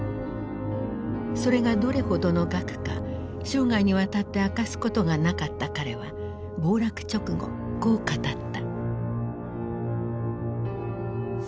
それがどれほどの額か生涯にわたって明かすことがなかった彼は暴落直後こう語った。